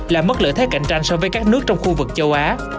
làm mất lợi thế cạnh tranh so với các nước trong khu vực châu á